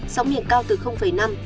sóng miền cao từ năm đến một năm m